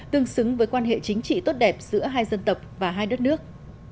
tương xứng với quan hệ chính trị tốt đẹp giữa hai dân tộc và hai đất nước